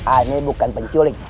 ane bukan penculik